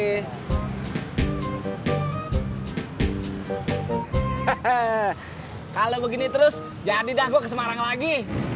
hehehe kalau begini terus jadi dah gue ke semarang lagi